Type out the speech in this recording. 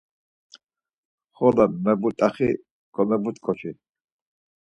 Xolo mebut̆axi komebut̆ǩoçi.